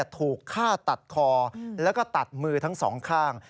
ถูกฆ่าตัดคอแล้วก็ตัดมือทั้งสองข้าง